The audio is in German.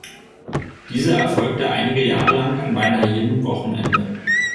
Diese erfolgte einige Jahre lang an beinahe jedem Wochenende.